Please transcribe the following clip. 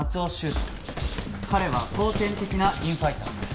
彼は好戦的なインファイター。